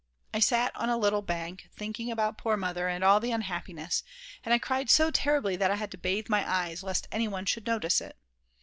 I sat on a little bank thinking about poor Mother and all the unhappiness, and I cried so terribly that I had to bathe my eyes lest anyone should notice it.